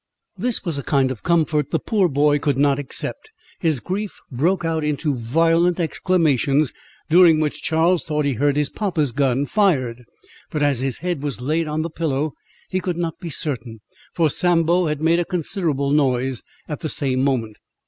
This was a kind of comfort the poor boy could not accept; his grief broke out into violent exclamations, during which Charles thought he heard his papa's gun fired; but as his head was laid on the pillow, he could not be certain, for Sambo had made a considerable noise at the same moment.